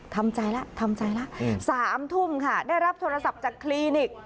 ทำใจแล้วทำใจแล้ว๓ทุ่มค่ะได้รับโทรศัพท์จากคลินิก